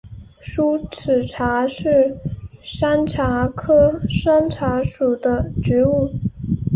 疏齿茶是山茶科山茶属的植物。